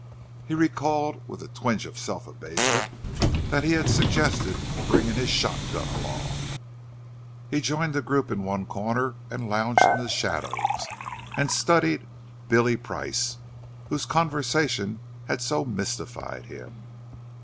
He recalled, with a twinge of self abasement, that he had suggested bringing his shotgun along! He joined a group in one corner, and lounged in the shadows, and studied "Billy" Price, whose conversation had so mystified him.